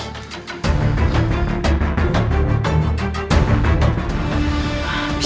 kenapa pusaka itu muncul kembali